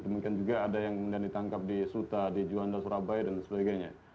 mungkin juga ada yang ditangkap di suta di johanda surabaya dan sebagainya